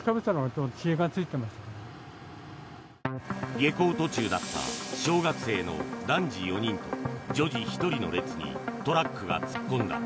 下校途中だった小学生の男児４人と女児１人の列にトラックが突っ込んだ。